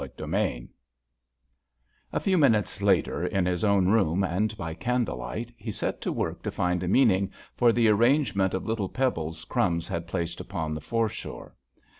CHAPTER XIV A few minutes later in his own room and by candle light he set to work to find a meaning for the arrangement of little pebbles "Crumbs" had placed upon the foreshore.